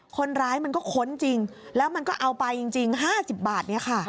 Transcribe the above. คนร้ายมันก็ค้นจริงแล้วมันก็เอาไปจริง๕๐บาทเนี่ยค่ะ